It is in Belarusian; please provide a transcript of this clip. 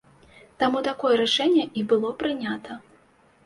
Таму такое рашэнне і было прынята.